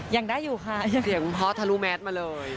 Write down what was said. ยังได้อยู่ค่ะยังพอร์ตทะลุแมทมาเลย